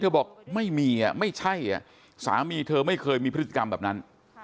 บอกไม่มีไม่ใช่สามีเธอไม่เคยมีพฤติกรรมแบบนั้น